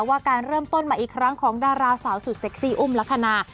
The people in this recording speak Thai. ว่าการเริ่มต้นมาอีกครั้งของดาราสาวสุดเซ็กซี่อุ้มลักษณะ